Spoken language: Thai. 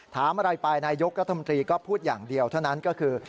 ถามอะไรไปนายกรัฐมนตรีก็พูดอย่างเดียวเท่านั้นก็คือ